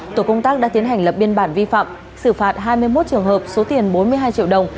tổ công tác đã tiến hành lập biên bản vi phạm xử phạt hai mươi một trường hợp số tiền bốn mươi hai triệu đồng